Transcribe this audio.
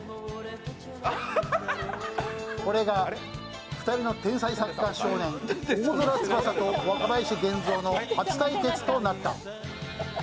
これが、２人の天才サッカー少年大空翼と若林源三の初対決となった。